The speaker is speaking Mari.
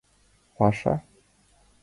ПАША